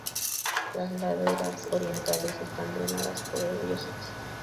Las laderas orientales están drenadas por el río St.